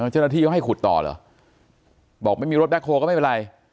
เจ้าหน้าที่เขาให้ขุดต่อเหรอบอกไม่มีรถแคลก็ไม่เป็นไร